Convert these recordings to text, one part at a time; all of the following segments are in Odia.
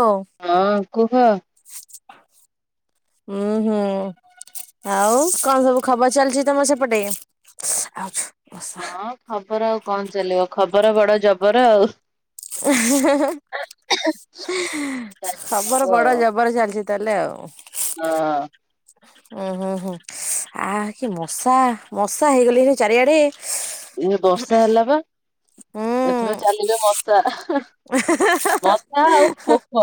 ଓ। ହଁ କୁହ। [inaudible] ଉଁ ହୁଁ ଆଉ କଣ ସବୁ ଖବର ଚାଲିଛି ତମ ସେପଟେ। ଆ ଛୁ। ହଁ ଖବର ଆଉ କଣ ଚାଲିବ, ଖବର ବଡ ଜବର ଆଉ। [unintelligible] ଚାଲିଚି ଖବର ସବୁ ଆଉ ବଡ ଜବର ଚାଲିଚି। ତାଲେ ଆଉ। ହଁ। ଉୁଁ ହୁଁ ହୁଁ ଆ କି ମଶା ମଶା ହେଇଗଲେଇ ଚାରିଆଡେ। ଏ ବର୍ଷା ହେଲା ବା ହୁଁ। ଏଥର ଚାଲିବେ ମଶା। [unintelligible] ମଶା ଆଉ ପୋକ।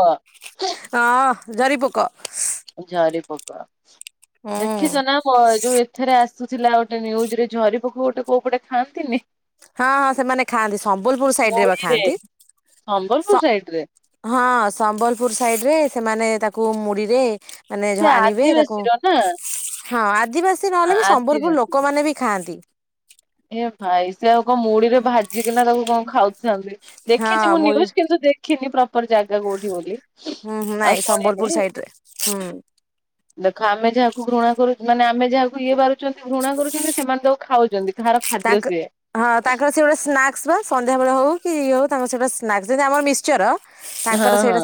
ହଁ ଝରି ପୋକ। ଝରି ପୋକ, ହୁଁ। ଦେଖିଛ ନା ମ ଯୋଉ ଏଥିରେ ଆସି ଆସୁ ଥିଲା ଗୋଟେ ନ୍ୟୁଜ ରେ ଝରି ପୋକ କୁ ଗୋଟେ କୋଉ ପଟେ ଖାଆନ୍ତିନି। ହଁ ହଁ ସେମାନେ ଖାଆନ୍ତି, ସମ୍ବଲପୁର ସାଇଟ୍ ରେ ବା ମୋଡିରେ ଖାଆନ୍ତି। ସମ୍ବଲପୁର ସ ସାଇଡରେ ହଁ ସମ୍ବଲପୁର ସାଇଡ ରେ ସେମାନେ ତାକୁ ମୁଡିରେ ମାନେ ସେ ଯ ଆଣିବେ ତାକୁ ଆଦିବାସୀର ନା। ହଁ ଆଦିବାସୀ ହଁ ନହେଲେ ବି ସମ୍ବଲପୁର ଆଦିବାସୀ ଲୋକମାନେ ବି ଖାଆନ୍ତି। ଏ ଭାଇ ସେ ଆଉ କ ମୁଢିରେ ଭାଜିକିନା ତାକୁ କଣ ଖାଉଛନ୍ତି। ହଁ ଦେଖିଛି ମୁଁ ମୁଢ଼ି ନ୍ଵିଜ କିନ୍ତୁ ଦେ ଦେଖିନି ପ୍ରପର ଜାଗା କୋଉଠି ବୋଲି ହୁଁ ଆଉ ନାଇଁ ସମ୍ବଲପୁର ଶୁଣନି। ସାଇଡ ରେ [inaudible] ଦେଖ ଆମେ ଯାହାକୁ ଘୃଣା କରୁ ମାନେ ଆମେ ଯାହାକୁ ଇଏ ବାରୁଛନ୍ତି ଘୃଣା କରୁଛନ୍ତି ସେମାନେ ତାକୁ ଖାଉଚନ୍ତି। ତାହାର ଖାଦ୍ୟ ତାଙ୍କ ସେଏ। ହଁ ତାଙ୍କର ସେ ଗୋଟେ ସ୍ନାକ୍ସ ବା ସନ୍ଧ୍ୟାବେେଳେ ହଉ କି ଇଏ ହଉ। ତାଙ୍କ ସେ ଗଟା ସ୍ନାକ୍ସ ଯେମିତି ଆମର ମିଶ୍ଚର ହଁ ହଁ।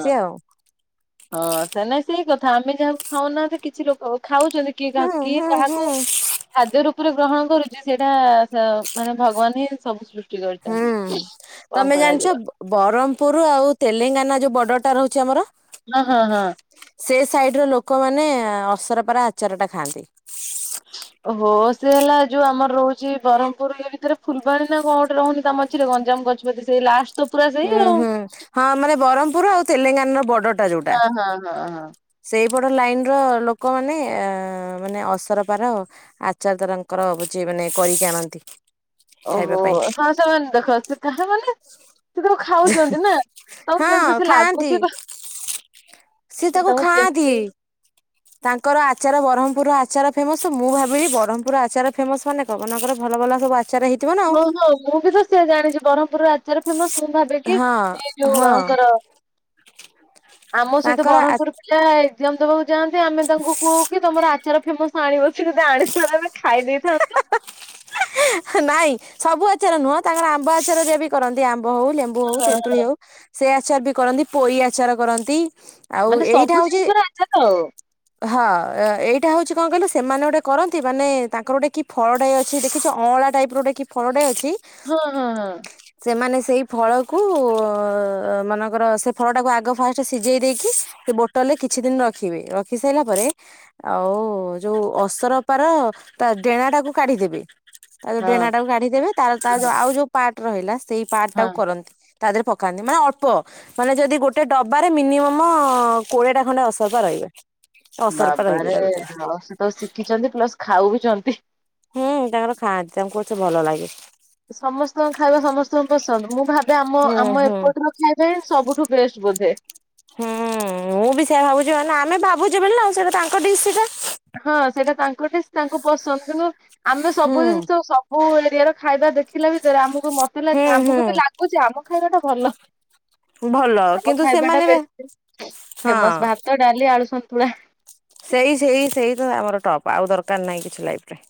ହଁ ସେ ନାଇଁ ସେଇ କଥା ଆମେ ଯାହାକୁ ଖାଉନାହାନ୍ତି କିଛି ଲୋକ ଖାଉଚନ୍ତି। ହୁଁ କି ହୁଁ ହୁଁ କାହାକୁ ଖାଦ୍ୟ ରୂପରେ ଗ୍ରହଣ କରୁଚି, ସେଇଟା ସ ମାନେ ଭଗବାନ ହିଁ ସବୁ ସୃ ଚି କରିଚନ୍ତି କଣ କରାଯିବ। ବରହ୍ମପୁର ଆଉ ତେଲେଙ୍ଗାନା ଯୋଉ ବର୍ଡରଟା ରହୁଚି ଆମର। ନ ହଁ ହଁ। ସେ ସାଇଡ ର ଲୋକମାନେ ଅସରପାର ଆଚାର ଟା ଖାଆନ୍ତି। ଓ ହୋ ସିଏ ହେଲା ଯୋଉ ଆମର ରହୁଛି, ବରହ୍ମ୍ ପୁର ଏଇ ଭିତରେ ଫୁଲବାଣୀ ନା କଣ ଗୋଟେ ରହୁନି। ତା ମଝିରେ ଗଞ୍ଜାମ ଗଜପତି ସେଇ ଲାଷ୍ଟ ତ ପୁରା ସେଇ ହୁଁ ଆଉ। ହୁଁ ହଁ ମାନେ ବ୍ରହ୍ମପୁର ଆଉ ତେଲେଙ୍ଗାନାର ହଁ ହଁ ହଁ ହଁ। ସେଇ ପଟ ଲାଇନ ର ଲୋକମାନେ ଅ ମାନେ ଅସରପାର ଆଚାର ତରଙ୍କର ହଉଛି ମାନେ କରିକି ଆଣନ୍ତି। ଖାଇବା ଓହୋ ପାଇଁ ହଁ ସେମାନେ ଦେଖ ସେ କାହା ମାନେ ସେ ତାକୁ ଖାଉଛନ୍ତି ନା ତାଙ୍କୁ ହଁ କେମିତି ସେ ଖାଆନ୍ତି। ଲାଗୁଥିବ ସିଏ ସେ ତାକୁ ତାଙ୍କୁ ଖାଆନ୍ତି। କେମିତି ତାଙ୍କର ଆଚାର ବ୍ରହ୍ମପୁର ଆଚାର ଫେମସ ମୁଁ ଭାବିଲି ବ୍ରହ୍ମପୁର ଆଚାର ଫେମସ୍ ମାନେ ପବନଙ୍କର ଭଲ ଭଲ ସବୁ ଆଚାର ହେଇ ହଁ ହଁ ମୁଁ ବି ତ ସେଆ ଜାଣିଛି ବ୍ରହ୍ମପୁରର ଆଚାର ଫେମସ୍ ମୁଁ ଭାବେ କିି ହଁ ଏଇ ଯୋଉ ହଁ ଆଙ୍କର। ଆମ ସହିତ ତାଙ୍କର ଆ ବ୍ରହ୍ମପୁର ପିଲା ଏଗଜାମ୍ ଦବାକୁ ଯାଆନ୍ତି ଆମେ ତାଙ୍କୁ କହୁ କି ତମର ଆଚାର ଫେମସ୍। ଆଣିବା ସେ ଯଦି ଆଣିଥାନ୍ତେ ଆମେ ଖାଇ ଦେଇଥାନ୍ତୁ। ନାଇଁ ସବୁ ଆଚର ନୁହଁ ତାଙ୍କର ଆମ୍ବ ଆଚାର ରେ ବି କରନ୍ତି ଆମ୍ବ ହୋଉ ଲେମ୍ବୁ ହଉ ତେନ୍ତୁଳି ହଉ ସେ ଆଚାର ବି କରନ୍ତି ପୋଇ ଆଚାର କରନ୍ତି। ଆଉ ମାନେ ସବୁ ଏଇଟା ହଉଚି [unintelligible] ହଁ ଏଇଟା ହଉଛି କଣ କହିଲ ସେମାନେ ଗୋଟେ କରନ୍ତି ମାନେ ତାଙ୍କର ଗୋଟେ କି ଫଳ ଟାଏ ଅଛି ଦେଖିଚ ଅଁଳା ଟାଇପ୍ ଗୋଟେ କି ଫଳଟାଏ ଅଛି। ହଁ ହଁ ହଁ। ସେମାନେ ସେଇ ଫଳକୁ ଅ ମନେକର ସେ ଫଳଟାକୁ ଆଗ ଫାଷ୍ଟ ସିଝେଇ ଦେଇକି ସେ ବୋଟଲ ରେ କିଛି ଦିନ ରଖିବେ ରଖି ସାଇଲା ପରେ ଆଉ ଯୋଉ ଅସରପାର ତା ଡେଣା ଟାକୁ କାଢିଦେବେ ତା ଯୋଉ ହଁ ଡେଣା ଟାକୁ କାଢିଦେବେ ତାର ତା ହଁ ହଁ ଯୋଉ ଆଉ ଯୋଉ ପାର୍ଟ ରହିଲା ସେଇ ପାର୍ଟ ହଁ ଟାକୁ କରନ୍ତି। ତା ଦେହରେ ପକାନ୍ତି ମାନେ ଅଳ୍ପ। ମାନେ ଯଦି ଗୋଟେ ଡବାରେ ମିନିମମ କୋଡିଏଟା ଖଣ୍ଡେ ଅସରପା ରହିବେ। ଅସରପା ରହିବେ ବାବାରେ ତା ଭିତରେ ସେ ତ ଶିଖିଛନ୍ତି ପ୍ଲସ ଖାଉ ଚନ୍ତି। ହୁଁ ତାଙ୍କର ଖାଆନ୍ତି। ତାଙ୍କୁ କଚ ଭଲ ଲାଗେ। ସମସ୍ତଙ୍କ ଖାଇବା ସମସ୍ତଙ୍କୁ ପସନ୍ଦ ମୁଁ ଭାବ ବେ ଆମ ହୁଁ ଆମ ହୁଁ। ଏପଟ ର ଖାଇବା ହିଁ ସବୁଠୁ ବେଷ୍ଟ ବୋଧେ। ହୁଁ ମୁଁ ବି ସେୟଆ ଭାବୁଛିି ମାନେ ଆମେ ଭାବୁଛୁ ବୋଲି ନା ସେଇଟା ତାଙ୍କ ଡିଶି ଟା। ହଁ ସେଇଟା ତାଙ୍କ ଡିସ୍ ତାଙ୍କୁ ପସନ୍ଦ କିନ୍ତୁ ଆମେ ହୁଁ ସବୁ ଜିନିଷ ସ ମୁଁ ଏରିଆ ର ଖାଇବା ଦେଖିଲା ଭିତରେ ଆମକୁ ମତେ ହୁଁ ଲାଗେ ଆମକୁ ବି ହୁଁ ଲାଗୁଚି ଆମ ଖାଇବା ଟା ଭଲ। ଭଲ ଆମ କିନ୍ତୁ ଖାଇବା ଟା ସେମାନେ ବା ବେଶି ଫେମସ୍ ହଁ ଭାତ ଡାଲି ଆଳୁ ସନ୍ତୁଳା। ସେଇ ସେଇ ସେଇ ତ ଆମର ଟପ୍ ଆଉ ଦରକାର ନାହିଁ କିଛି ଲାଇଫ ରେ।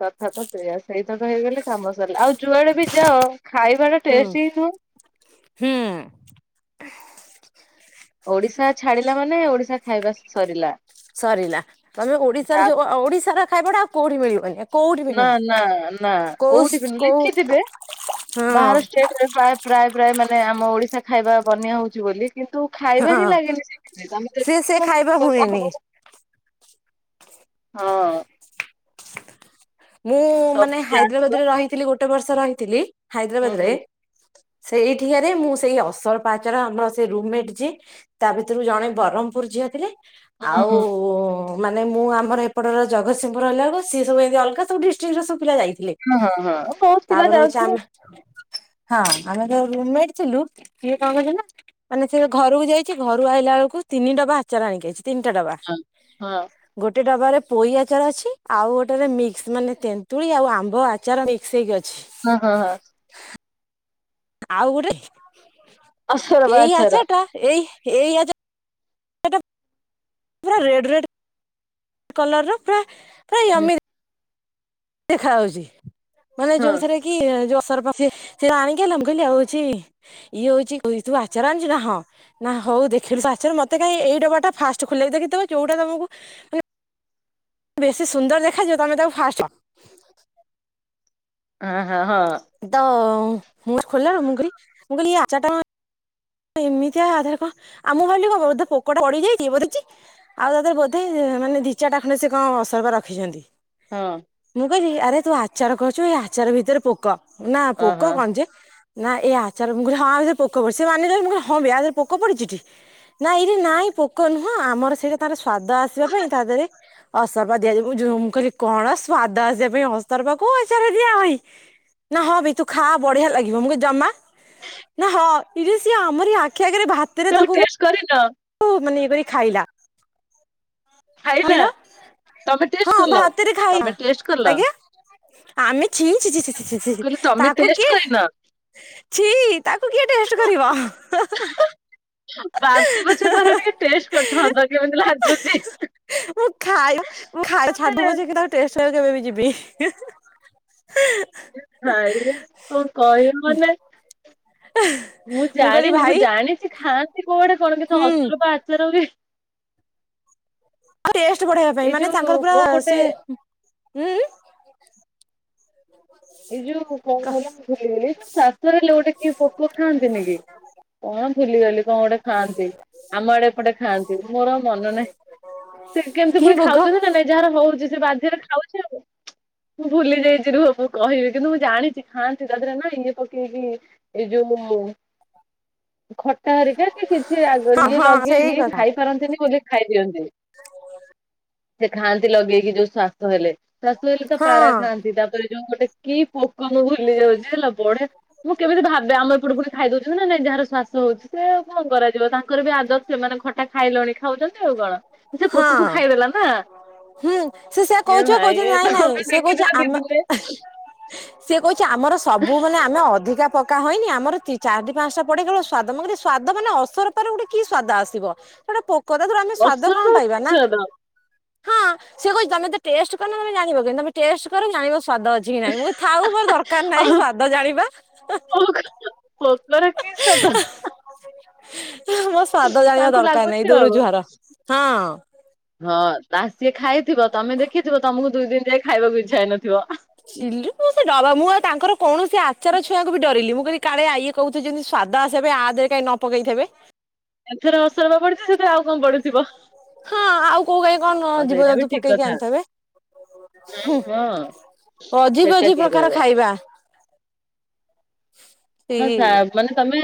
କଥା ତ ସେଇୟା ସେଇତକ ହେଇଗଲେ କାମ ସରିଲା ଆଉ ଯୁଆଡେ ବି ଯାଅ ଖାଇବା ଟା ଟେଷ୍ଟ ହିଁ ନୁହଁ। ହୁଁ। ଓଡିଶା ଛାଡିଲା ମାନେ ଓଡିଶା ଖାଇବା ସରିଲା। ସରିଲା ତମେ ତା ଓଡିଶାର ଯୋଉ ଓଡିଶାର ଖାଇବାଡା ଆଉ କୋଉଠି ମିଳିବନି। କୋଉଠି ବି ନା ନୁହେଁ। ନା ନା କୋଉ କୋଉଠି ବି ନୁଏ କୋଉ ଲେଖିଥିବେ ହଁ ବାହାର ଷ୍ଟେଟ୍ ପ୍ରାୟ ପ୍ରାୟ ପ୍ରାୟ ମାନେ ଆମ ଓଡିଶା ଖାଇବା ବନେଇ ହଉଛି ବୋଲି କିନ୍ତୁ ଖାଇବା ହଁ ହିଁ ଲାଗେନି ସେ ସେ ଖାଇବା ହୁଏନି। [unintelligible] ହଁ। ମୁଁ ସବୁ ମାନେ ଜାଣିଥିବ। ହାଇଦ୍ରାବାଦ ରେ ରହିଥିଲି ଗୋଟେ ବର୍ଷ ରହିଥିଲି ହୁଁ ହାଇଦ୍ରାବାଦ ହୁଁ ରେ। ସେଇଠି ହାରି ମୁଁ ସେଇ ଅସରପା ଆଚର ଆମର ସେଇ ରୁମମେଟ ଯିଏ ତା ଭିତୁରୁ ଜଣେ ବରହ୍ମପୁର ଝିଅ ଥିଲେ। ହୁଁ ଆଉ ହୁଁ ମାନେ ମୁଁ ଆମର ହେପଟର ଜଗସିଂହପୁର ହେଲା ବେଳୁକୁ ସିଏ ସବୁ ଏମିତି ଅଲଗା ସବୁ ଡିଷ୍ଟ୍ରିକଟର ସବୁ ପିଲା ଯାଇଥିଲେ। ହଁ ହଁ ବୋହୁତ ପିଲା ତାପରେ ହଉଛି ଯାଉଥିବେ। ଆମେ ହଁ ଆମେ ଯୋଉ ରୁମମେଟ ଥିଲୁ ସୀଏ କଅ କରିଚନ୍ତି ନା ମାନେ ସିଏ ଘରୁକୁ ଯାଇଛି ଘରୁ ଆଇଲା ବେଳକୁ ତିନି ଡବା ଆଚାର ଆଣିକି ଆଇଛି। ତିନିଟା ଡବା ହଁ ହଁ ଗୋଟେ ଡବାରେ ପୋଇ ଆଚାର ଅଛି। ଆଉ ଗୋଟେରେ ମିକ୍ସ ମାନେ ତେନ୍ତୁଳି ଆଉ ଆମ୍ବ ଆଚାର ମିକ୍ସ ହେଇକି ଅଛି। ହୁଁ ହୁଁ ହୁଁ। ଆଉ ଗୋଟେ ଆଚାର ବା ଏଇ ଆଚାର ଆଚରଟା ଏଇ ଏଇ ଆଚା ର ଟା ପୁରା ରେଡ୍ ରେଡ୍ କଲର୍ ର ପୁରା ପୁରା ହୁଁ ୟମ୍ମି ଦେଖାହଉଛି ମାନେ ହଁ ଯୋଉଥିରେ କି ଯୋଉ ଅସରପା ଚି ଆଣିକି ହେଲା ମୁ କହିଲିି ଆଉ ଛି ଇଏ ହଉଛି ତୁ ଆଚାର ଆଣିଚୁ ନା ହଁ। ନା ହଉ ଦେଖିଲୁ ପା ଆଚାର ମତେ କାଇଁ ଏଇ ଡବା ଟା ଫାଷ୍ଟ ଖୋଲେଇ ଦେଖିଥିବ ଯୋଉଟା ତମକୁ ବେଶୀ ସୁନ୍ଦର ଦେଖାଯିବ ତମେ ତାକୁ ଫାଷ୍ଟ୍ ଆ ହାଁ ହଁ। ତ ମୁଁ ଖୋଲିଲାଳୁ ମୁଁ କଲି ମୁଁ କଲି ଏ ଆଚର ଟା କଣ ଏମିତିଆ ଆଧାରେ କଂ ଆ ମୁଁ ଭାବିଲି କ ବୋଧେ ପୋକଟା ପଡିଯାଇଚି ବୋଧେ ଛି ଆଉ ତାଦେରେ ବୋଧେ ମାନେ ଦିଚାଟା ଖଣ୍ଡେ ସେ କଂ ଅସରପା ରଖିଛନ୍ତି। ହଁ। ମୁଁ କହିଲି ଆରେ ତୁ ଆଚାର କରୁଛୁ ଏଇ ଆଚାର ଭିତରେ ପୋକ ନା ଓହୋ ପୋକ କଣ ଯେ ନା ଏଇ ଆଚାର ମୁଁ କଲି ହଁ ଆଭି ପୋକ ପଡିଚି ସେ ମାନିଲାନି ମୁଁ କଲି ହଁବେ ୟା ଦେରେ ପୋକ ପଡିଚି କି? ନାଇଁ ରେ ନାଇଁ ପୋକ ନୁହଁ ଆମର ସେଇଟା ତାର ସ୍ଵାଦ ଆସିବା ପାଇଁ ତା ଦେହରେ ଅସର୍ପା ଦିଆଯି ଯଉ ମୁଁ କହିଲି କଣ ସ୍ଵାଦ ଆସିବା ପାଇଁ ଅସରପା କଉ ଆଚାର ଦିଆହଏ। ନା ହଁ ବି ତୁ ଖା ବଢିଆ ଲାଗିବ ମୁ କି ଜମା ନା ହଁ ଇରେ ସିଏ ଆମରି ଆଖି ଆଗରେ ଭା ତମ୍ ଟେଷ୍ଟ କରିନ। ମାନେ ଇଏ କରିରି ଖାଇଲା। ଖାଇନା ତମେ [unintelligible] ଟେଷ୍ଟ ହଁ କଲ ଭାତରେ। ତମେ [unintelligible] ଟେଷ୍ଟ କଲ ଆଜ୍ଞା? ଆମେ ଛିଃ ଛିଃ ଛିଃ ମୁଁ ଛିଃ କହିଲି ତମେ ତାକୁ ଟେଷ୍ଟ କିଏ କରିନ ଛିଃ ତାକୁ କିଏ ଟେଷ୍ଟ କରିବ। ବାନ୍ତି ପଛେ କର ଟିକେ ଟେଷ୍ଟ କରିଥାନ୍ତ। କେମିତି ଲାଗୁଛି? ମୁଁ ଖା। ମାନେ [unintelligible] ଏ ଭାଇ ରେ କଣ କହିବ ମାନେ ମୁଁ କହିଲି ଜାଣିନି। ମୁଁ ଭାଇ ଜାଣିଛି ଖାଆନ୍ତି କୋଉ ଆଡ଼େ କଣ କିଛି ହୁଁ ଅସରପା ଆଚାର ବି ଆଉ ରେଷ୍ଟ ବଢେଇବା ପାଇଁ। ମାନେ ଯୋଉ ତାଙ୍କର କଣ ପୁରା ଗୋଟେ ସେ ଏଇ ଯୋଉ କଣ କହ ମୁଁ ଭୁଲିଗଲି [unintelligible] ଗୋଟେ କିଏ ପୋକ ଖାଆନ୍ତିନି କି? କଣ ଭୁଲିଗଲି, କଣ ଗୋଟେ ଖାଆନ୍ତି। ଆମ ଆଡେ ଏପଟେ ଖାଆନ୍ତି ମୋର ମନ ନାହିଁ। ସେ କେମିତି କି ପୁଣି ଭୋଗ ଖାଉଛନ୍ତି ନା ନାଇଁ? ଯାହାର ହଉଛି ସେ ବାଧ୍ୟ ରେ ଖାଉଛି ଆଉ। ମୁଁ ଭୁଲି ଯାଇଛି ରୁହ କହୁଛି। କହିବି, କିନ୍ତୁ ମୁଁ ଜାଣିଛି ଖାଆନ୍ତି। ତା ଦେହରେ ନା ଇଏ ପକେଇକି ଏଇ ଯୋଉ ଖଟା ହେରିକା କି କିଛି ହଁ ଇଏ ହଁ ସେଇ ଲଗେଇକି କଥା ଖାଇ ପାରନ୍ତିନି ବୋଲି ଖାଇ ଦିଅନ୍ତି। ସେ ଖାଆନ୍ତି ଲଗେଇକି ଯୋଉ ଶ୍ୱାସ ହେଲେ। ଶ୍ଵାସ ହେଲେ ତ ହଁ ପାରା ଖାଆନ୍ତି। ତାପରେ ଯୋଉ ଗୋଟେ କି ପୋକନ ଭୁଲି ଯାଉଛି। ହେଲା ବଢି ମୁଁ କେମିତି ଭାବେ, ଆମ ଏପଟେ ପୁଣି ଖାଇ ଦଉଛନ୍ତି ନା ନାଇଁ। ଯାହାର ଶ୍ଵାସ ହଉଛି। ସେ ଆଉ କଣ କରାଯିବ ତାଙ୍କର ବି ଆଦତ ସେମାନେ ଖ ଖାଇଲଣି ଖାଉଛନ୍ତି ଆଉ କଣ। ସେ ପୋକକୁ ହଁ। ଖାଇଦେଲା ନା। ହୁଁ, ସେ ସେୟା ଏ କହୁଛି ପା। ଭାଇ କହୁଛି ଏ ନାଇଁ ନାଇଁ, ତମେ ସେ କହୁଛି ଦେଖିଥିବ ଦି ଆମ ଦିନରେ ସିଏ କହୁଛି ଆମର ସବୁ ମାନେ ଆମେ ଅଧିକା ପକା ହଏନି ଆମର ଚାରିଟି ପାଞ୍ଚଟା ପଡେ, କେବଳ ସ୍ଵାଦ। ମୁଁ କହିଲି ସ୍ଵାଦ ମାନେ ଅସରପାର ଗୋଟେ କି ସ୍ଵାଦ ଆସିବ? ସେ ଗୋଟେ ପୋକ ତା ଥିରୁ ଆମେ ସ୍ଵାଦ କଣ ଅପସରାର କି ପାଇବା? ନା ସ୍ୱାଦ ହଁ, ସେ କହୁଛି ତମେ ତ ଟେଷ୍ଟ କରିନ, ତମେ ଜାଣିବ କେମିତି? ତମ ଟେଷ୍ଟ କର ଜାଣିବ ସ୍ଵାଦ ଅଛି ଅଛି କି ନାଇଁ। ମୁଁ କହିଲି ଥାଉ ମୋର ଦରକାର ନାହିଁ ଆଉ ସ୍ଵାଦ ଜାଣିବା। ପୋକ ର କି ସ୍ଵାଦ? ମୋର ସ୍ଵାଦ ଜାଣିବା ତାଙ୍କୁ ଦରକାର ଲାଗୁଛି ନାହିଁ। ଦୂରୁ ଆଉ। ଜୁହାର ହଁ। ହଁ, ତା ସିଏ ଖାଇଥିବ, ତମେ ଦେଖିଥିବ, ତମକୁ ଦୁଇ ଦିନ ଯାଏ ଖାଇବାକୁ ଇଚ୍ଛା ହେଇନଥିବ। [unintelligible] ମୁଁ ଆଉ ତାଙ୍କର କୌଣସି ଆଚାର ଛୁଆକୁ ବି ଡରିଲି। ମୁଁ କହିଲି କାଳେ ଆଇ ଇଏ କହୁ ଥିଲେ ଯେମିତି ସ୍ଵାଦ ଆସବା ପାଇଁ ଆଥରେ କାଇଁ ନ ପକେଇ ଥିବେ? ଏଥେରେ ଅସରପା ପଡିଛି, ସେଥିରେ ଆଉ କଣ ପଡିଥିବ। ହଁ, ଆଉ କୋଉ କାଇଁ କଣ ହଁ ସେଇଟା ବି ଜୀବଜନ୍ତୁ ଠିକ ପକେଇକି କଥା ଆଣିଥିବେ। ହଁ ହୁଁ ହଁ ଅଜିିବ ସେଟା ଅଜିବ୍ କିଏ ପ୍ରକାର କହିବ। ଖାଇବା। [inaudible] ହଁ, ମା ମାନେ ତମେ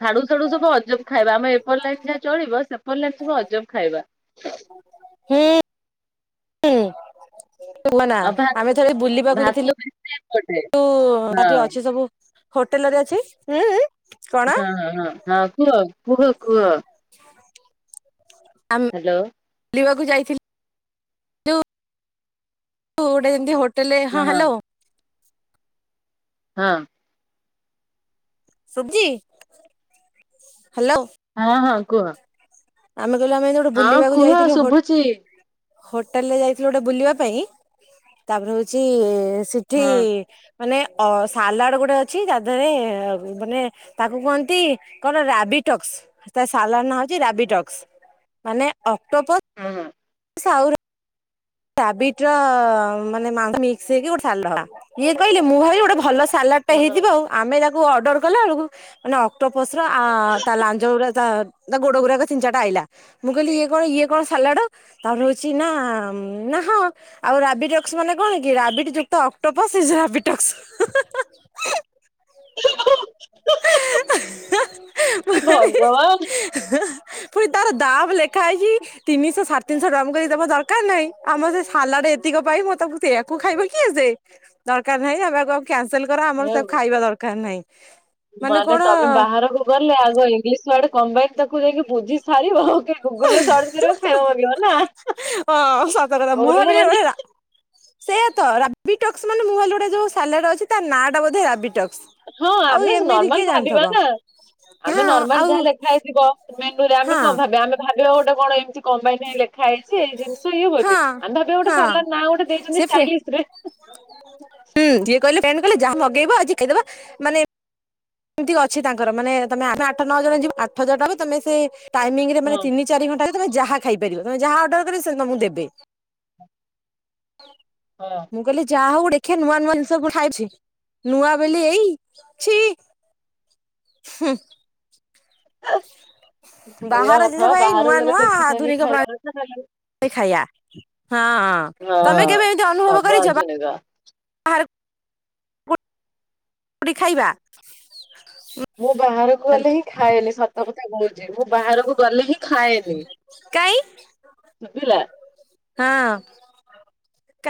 ସାଡୁ ସାଡୁ ସବୁ ଅଜବ ଖାଇବା। ଆମ ଏପଟ ଲାଇନ ଯାହା ଚଳିବ। ସେପଟ ଲାଇନ ସବୁ ଅଜବ ଖାଇବା। ହୁଁ। କୁହନା ଆଉ ଭା ଆମେ ଥରେ ବୁଲିବାକୁ ଭାତ ଯାଇଥିଲୁ ବେଶୀ ଏପଟେ ତାର ଟିକେ ହଁ ଅଛି ସବୁ ହୋଟେଲ ରେ ଅଛି। କଣ ହଁ-ହଁ-ହଁ-ହଁ କୁହ କୁହ କୁହ। [inaudible] ଆମେ ହାଲୋ। ବୁଲିବାକୁ ଯାଇଥିଲି ଯୋଉ ଗୋଟେ ଯେମିତି ହୋଟେଲ ହଟେଲେ ହଁ ହାଲୋ‌‌। ହଁ। ସୁଜି ହ୍ୟାଲୋ। ହଁ ହଁ କୁହ। ଆମେ କହିଲୁ ଆମେ ଯୋଉଠୁ ହଁ ବୁଲିବାକୁ କୁହ ଯାଇଥିଲୁ ହୋ ଶୁଭୁଛି। ହୋଟେଲରେ ଯାଇଥିଲୁ ଗୋଟେ ବୁଲିବାପାଇଁ ତାପରେ ହୋଉଚି ସେଠି ହଁ ମାନେ ଅ ସାଲାଡ ଗୋଟେ ଅଛି ତା ଦେହରେ ବନେ ତାକୁ କୁହନ୍ତି କଣ ରାବିଟକ୍ସ ତା ସାଲାର ନାଁ ହୋଉଚି ରାବିଟ ମାନେ ଅକ୍ଟୋବର ହୁଁ ହୁଁ। ସାଉରେ ରାବିଟର ମାନେ ମାଦାମିକ୍ସ ହେଇକି ଗୋଟେ ସାଲହେଲା ଇଏ କହିଲେ ମୁଁ ଭାବି ଗୋଟେ ଭଲ ସା ସାଲାଟା ହଁ ହଁ ହେଇଥିବ ଆଉ ଆମେ ତାକୁ ଅର୍ଡର କଲା ବେଳକୁ ମାନେ ଅ ଅକ୍ଟୋପସ ର ଆ ତା ଲାଞ୍ଜଗୁଡା ତା ତା ଗୋଡ ଗୁୁରାକ ତିନି ଚାରିଟା ଆଇଲା ମୁଁ କହିଲି ଇଏ କଣ ଇଏ କଣ ସାଲାଟ ତାପରେ ହୋଉଛିନା ଉଁ ନାଁ ହଁ। ଆଉ ରାବିଟକ୍ସ ମାନେ କଣ କି ରାବିଟ ଯୁକ୍ତ ଅକ୍ଟୋପସ ରାବିଟକ୍ସ। ମୁଁ ଏ କହିଲି ଭଗବାନ। ପୁଣି ତାର ଦାମ୍ ଲେଖା ହେଇଛି। ତିନିଶହ ସାଡେ ତିନିଶହ ଟଙ୍କା ମୁଁ କହିଲି ଦବା ଦରକାର ନାହିଁ। ଆମର ସେଇ ସାଲାଡ ଏତିକ ପାଇଁ ମୁଁ ତାକୁ ସେଇଆକୁ ଖାଇବ କିଏ ସେ। ଦରକାର ନାହିଁ ଆମେଆକୁ ଆଉ କ୍ୟାନସେଲ୍ କର ଆମର ତାକୁ ଖାଇବା ଦରକାର ନାହିଁ। ମାନେ ତମେ ବାହାରକୁ ଗଲେ ଆଗ ଇଂଲିଶ ୱାର୍ଡ କମ୍ବାଇନ ତାକୁ ଯାଇକି ବୁଝି ସାରିବ। ଗୁଗୁଲ୍ ରେ ସର୍ଚ୍ଚ କରିବ କ୍ଷମା ମାଗିବ ନା। ହଁ ସତକଥା ମୁଁ ଓଡିଆ ଭାବିଲି ମାନେ ବୋଧେ ରା ସେଇଆ ତ ରାବିଟକ୍ସ ମାନେ ମୁଁ ଭାଲି ଗୋଟେ ଯୋଉ ସାଲାଟ ଅଛି ତା ନାଁ ଟା ବୋଧେ ରାବିଟକ୍ସ। ହଁ ଆଉ ଆମେ ଏମିତି ନର୍ମାଲ କିଏ ଜାଣିଥବ ଭାବିବାନା। ହଁ ଆମେ ନର୍ମାଲ ଆଉ ଯାହା ଲେଖା ହେଇଥିବ ମେନୁରେ ଆମେ ହଁ କଣ ଭାବିବା ଆମେ ଭାବିବା ଗୋଟେ କଣ ଏମିତି କମ୍ବାଇନ ଲେ ଖାଇଛି ଏଇ ଜିନିଷ ଇଏ ହଁ ବୋଲି ଆମେ ଭାବି ଗୋଟେ ହଁ ସାଲାଟ ନାଗୋଟେ ଦେଇଛନ୍ତି ସେ ଫ୍ରେ ଷ୍ଟାଇଲିଶରେ। ହୁଁ ଯିଏ କହିଲେ କହିଲ ଯାହା ମଗେଇବ ଆଜି ଖାଇଦବା ମାନେ ସେମିତି ଅଛି ତାଙ୍କର ମାନେ ତମେ ଆମେ ଆଠ ନଅଜଣ ଯିବୁ ଆଠ ଜଣବି ତମେ ସେଇ ଟାଇମିଙ୍ଗି ରେ ହଁ ମାନେ ତିନି ଚାରି ଘଣ୍ଟାରେ ତମେ ଯାହା ଖାଇପାରିବ ତମେ ଯାହା ଅର୍ଡର କରିବ ସେ ତମକୁ ଦେବେ ହଁ। ମୁଁ କହିଲି ଯାହାହଉ ଦେଖିଆ ନୂଆ ନୂଆ ଜିନିଷ ଖାଇଛି ନୂଆ ବୋଲି ଏଇ ଛି। ହୁଁ। ସେଇଆ ବାହାର ଜିନିଷ କଥା ଭାଇ ନୂଆ ବାହାରକୁ ଗଲେ ନୂଆ ଦେଖି ଆଧୁନିକ ଚାହିଁକି ପ୍ରଣାଳୀ ଖାଇବାର ଅଛିନା ଖାଇବା ହଁ ହଁ ତମେ ହଁ। କେବେ ଏମତି ଅନୁଭବ ସବୁ କରିଛ ବା ଆଧୁନିକ। [unintelligible] ପୁଡ଼ି ଖାଇବା। ମୁଁ ବାହାରକୁ ଗଲେହିଁ ଖାଏନି ସ ମୋ କଥା କହୁଛି ମୁଁ ବାହାରକୁ ଗଲେ ହିଁ ଖାଏନି କାଇଁ ସୁଵିଲା। ହଁ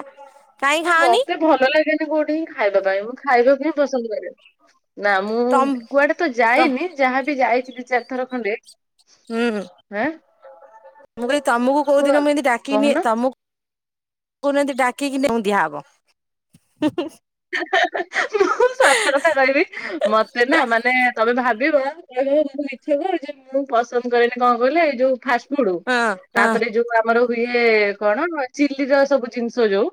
କାହିଁ ନା ଖାଉନି। ମତେ ଭଲ ଲାଗେନି କୋଉଠି ହିଁ ଖାଇବା ପାଇଁ ମୁଁ ଖାଇବାକୁ ହିଁ ପସନ୍ଦ କରେ। ନା ମୁଁ ତମ କୁଆଡେ ତ ଯାଇନି ଯାହାବି ଯାଇଛି ଦି ଚାରି ଥର ଖଣ୍ଡେ। ହୁଁ ମୁଁ ଆଁ କହିଲି ତମକୁ କୋଉ କୁହ। ଦିନ ମୁଁ ଏମିତି ଡାକିନିଏ କହୁନ ତମକୁ କହୁନାହାନ୍ତି ଡାକିକି ତାଙ୍କୁ ଦିଆ ହବ। ସତକଥା କହିବି, ମତେ ନା ମାନେ ତମେ ଭାବିବ! [unintelligible] ଇଚ୍ଛା କରୁଛୁ, ମୁଁ ପସନ୍ଦ କରେନି। କଣ କହିଲେ, ଏଇ ଯୋଉ ଫାଷ୍ଟ ହୁଡୁ, ହଁ ହଁ ତା'ପରେ ଯୋଉ ଆମର ହୁଏ କଣ ଅଚି? ଚିଲି ର ସବୁ ଜିନିଷ ଯୋଉ,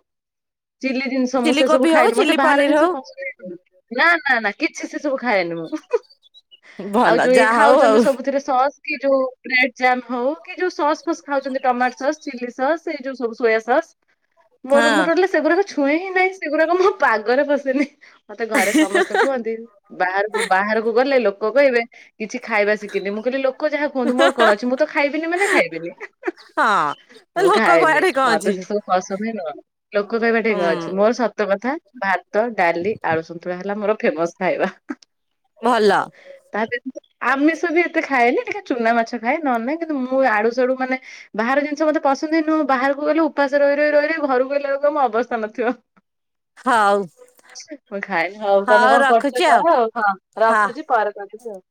ଚିଲି ଜିନିଷ ମୁଁ ଚିଲି ସେ ସବୁ କୋବି ହଉ ଖାଏନି। ମତ୍ ଚିଲି ବାହାର ପନିର ଜିନିଷ ପସ ହଉ [inaudible] ନା, ନା, ନା, କିଛି ସେ ସବୁ ଖାଏନି ମୁଁ। ଆଉ ଭଲ ଯୋଉ ଇଏ ଯାହା ହଉ ଆଉ ଖାଉଛନ୍ତି ସବୁ ଥିରେ ସସ୍ କି ଯୋଉ, ବ୍ରେଡ୍ ଜାମ୍ ହଉ କି, ଯୋଉ ସସ୍ ଫସ୍ ଖାଉଛନ୍ତି, ଟମାଟୋ ସସ୍, ଚିଲି ସସ୍ ସେଇ ଯଉ ସବୁ ସୋୟା ସସ୍। ହଁ ମୋର ମୁଁ ଟୋଟାଲି ସେଗୁରାକ ଛୁଏଁ ହିଁ ନାହିଁ, ସେଗୁରାକ ମୋ ପାଗରେ ପଶେନି। ମତେ ଘରେ ସମସ୍ତେ କୁହନ୍ତି। ବାହାରକୁ ବାହାରକୁ ଗଲେ, ଲୋକ କହିବେ କିଛି ଖାଇବା ଶିଖିନି। ମୁଁ କହିଲି ଲୋକ୍ ଲୋକ ଯାହା କୁହନ୍ତୁ, ମୋର କଣ ଅଛି? ମୁଁ ତ ଖାଇବିନି ମାନେ ଖାଇବିନି। ହଁ। ମୁଁ ଲୋକ ଖାଏନି। କୁଆଡେ କଣ ମତେ ଅଛି ସେସବୁ ପସନ୍ଦ ହିଁ ନୁହଁ। ଲୋକ କହିବା ଟେଇଁ କଁ ହୁଁ ଅଛି, ମୋର ସତ୍ ତ କଥା ଭାତ, ଡାଲି, ଆଳୁସନ୍ତୁଳା ହେଲା, ମୋର ଫେମସ୍ ଖାଇବା। ଭଲ। ତା [inaudible] ଆମିଷ ବି ଏତେ ଖାଏନି, ଟିକେ ଚୁନା ମାଛ ଖାଏ। ନହେଲେ ନାହିଁ କିନ୍ତୁ, ମୁଁ ଆଡୁ ସାଡୁ ମାନେ ବାହାର ଜିନିଷ ମତେ ପସନ୍ଦ ହିଁ ନୁହଁ। ବାହାରକୁ ଗଲେ ଉପାସ ରହି ରହି ରହି ରହି ଘରକୁ ଆଇଲା ବଳକୁ ଆଉ ମୋ ଅବସ୍ଥା ନଥିବ। ହଉ। ମୁଁ ଖାଇମି ହଉ, ତମେ କଣ କରୁଛ କର ଆଉ? ହଁ ହଁ। ରଖୁଛି, ପରେ କରିବି ଆଉ।